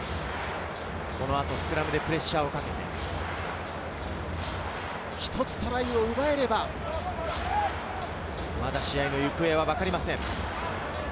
この後、スクラムでプレッシャーをかけて、１つトライを奪えれば、まだ試合の行方はわかりません。